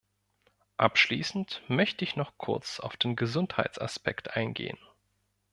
Abschließend möchte ich noch kurz auf den Gesundheitsaspekt eingehen.